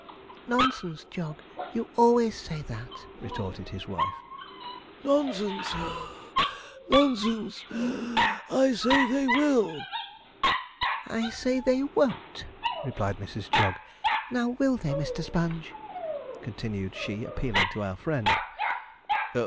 'Nonsense, Jog, you always say that,' retorted his wife. 'Nonsense (puff), nonsense (wheeze), I say they will.' 'I say they won't!' replied Mrs. Jog; 'now will they, Mr. Sponge?' continued she, appealing to our friend.